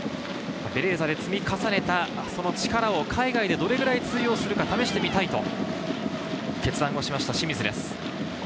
ベレーザで積み重ねた力を海外でどれくらい通用するのか試してみたいと決断した清水です。